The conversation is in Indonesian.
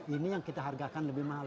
ini yang kita hargakan lebih mahal